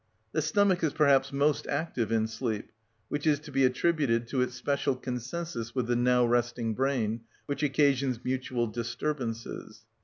The stomach is perhaps most active in sleep, which is to be attributed to its special consensus with the now resting brain, which occasions mutual disturbances.